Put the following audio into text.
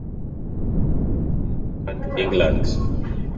After finalizing her divorce Haig returned to England.